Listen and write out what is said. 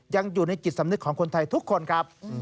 ยังอยู่ในจิตสำนึกของคนไทยทุกคนครับ